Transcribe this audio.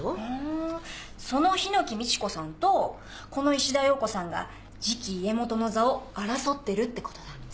フーンその檜美智子さんとこの石田洋子さんが次期家元の座を争ってるってことだ。